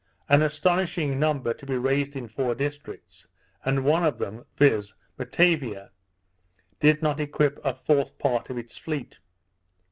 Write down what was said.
An astonishing number to be raised in four districts; and one of them, viz. Matavia, did not equip a fourth part of its fleet.